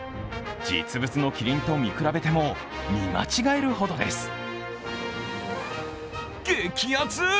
実物のキリンと見比べても見間違えるほどです。